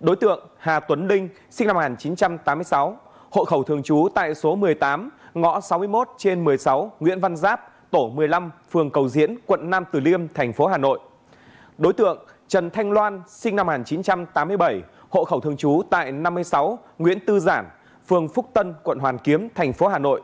đối tượng trần thanh loan sinh năm một nghìn chín trăm tám mươi bảy hộ khẩu thường chú tại năm mươi sáu nguyễn tư giản phường phúc tân quận hoàn kiếm thành phố hà nội